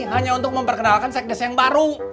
hanya untuk memperkenalkan sekdes yang baru